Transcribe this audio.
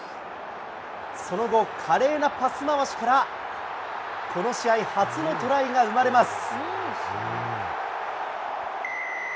その後、華麗なパス回しから、この試合初のトライが生まれます。